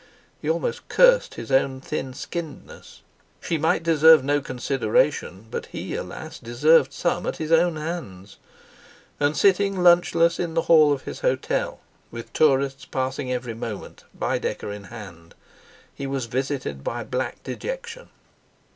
He almost cursed his own thin skinnedness. She might deserve no consideration; but he—alas! deserved some at his own hands. And sitting lunchless in the hall of his hotel, with tourists passing every moment, Baedeker in hand, he was visited by black dejection.